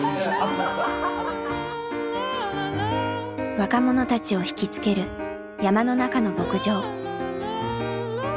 若者たちを引き付ける山の中の牧場。